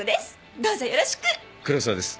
どうぞよろしく！黒沢です。